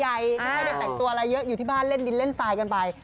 ไม่ค่อยได้แต่งตัวอะไรเยอะอยู่ที่บ้านเล่นดินเล่นทรายกันไป